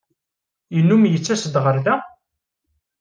Yennum yettas-d ɣer da?